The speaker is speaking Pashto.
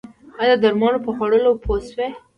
ایا د درملو په خوړلو پوه شوئ؟